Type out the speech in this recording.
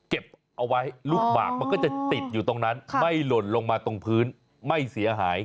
เก็บเอาไว้ลูกหมากมันก็จะติดอยู่ตรงนั้นไม่หล่นลงมาตรงพื้นไม่เสียหาย